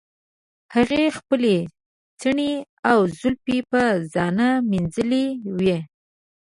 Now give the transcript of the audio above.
هغې خپلې څڼې او زلفې په زنه مینځلې وې.